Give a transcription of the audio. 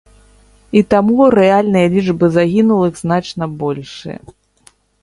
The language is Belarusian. І таму рэальныя лічбы загінулых значна большыя.